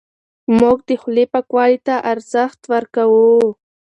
موږ د خولې پاکوالي ته ارزښت ورکوو.